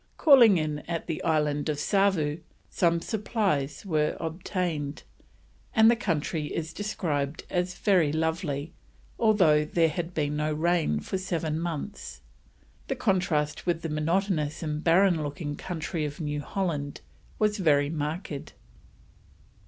Calling in at the island of Savu, some supplies were obtained, and the country is described as very lovely, although there had been no rain for seven months; the contrast with the monotonous and barren looking country of New Holland was very marked.